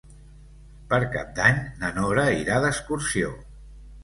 Per Cap d'Any na Nora irà d'excursió.